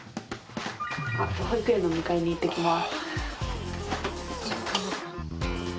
保育園のお迎えに行ってきます。